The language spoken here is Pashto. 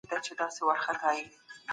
زما کفن به له درې رنګه بيرغ وينه